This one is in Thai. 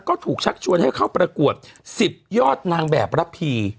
ก็ถูกชักชวนให้เข้าประกวด๑๐ยอดนางแบบระพี